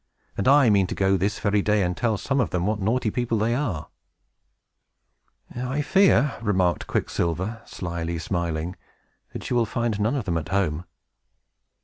"And I mean to go this very day, and tell some of them what naughty people they are!" "I fear," remarked Quicksilver, slyly smiling, "that you will find none of them at home."